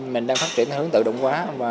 mình đang phát triển hướng tự động quá